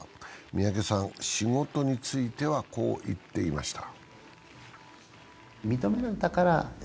三宅さんは仕事についてはこう言っていました。